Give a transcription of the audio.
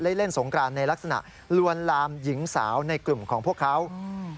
เล่นเล่นสงกรานในลักษณะลวนลามหญิงสาวในกลุ่มของพวกเขาอืม